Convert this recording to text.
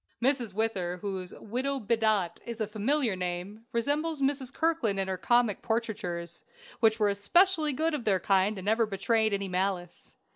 Mrs. Whither, whose "Widow Bedott" is a familiar name, resembles Mrs. Kirkland in her comic portraitures, which were especially good of their kind, and never betrayed any malice.